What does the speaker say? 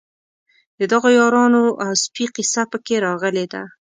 د دغو یارانو او سپي قصه په کې راغلې ده.